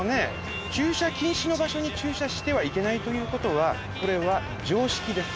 駐車禁止の場所に駐車してはいけないということは常識です。